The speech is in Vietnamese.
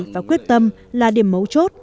và quyết tâm là điểm mấu chốt